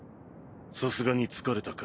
さすがに疲れたか。